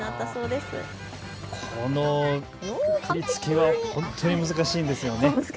この振り付けは本当に難しいんですよね。